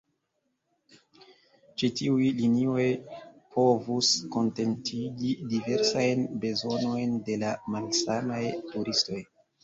Ĉi tiuj linioj povus kontentigi diversajn bezonojn de la malsamaj turistoj.